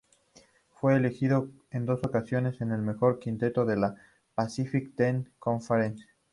Fue elegido en dos ocasiones en el mejor quinteto de la Pacific Ten Conference.